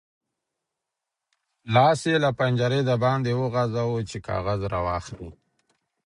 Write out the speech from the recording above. لاس یې له پنجرې د باندې وغځاوو چې کاغذ راواخلي.